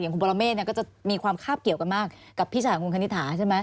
อย่างคุณปรเมฆเนี่ยก็จะมีความคาบเกี่ยวกันมากกับพี่สหายคุณคณิตหาใช่ไหม